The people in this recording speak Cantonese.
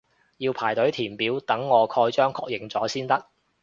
要排隊填表等我蓋章確認咗先得